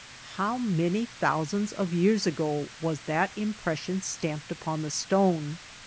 How many thousands of years ago was that impression stamped upon the stone